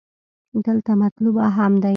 دلته مطلوب اهم دې.